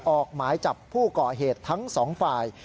ออกหมายจับผู้ก่อเหตุทั้งสองฝ่าย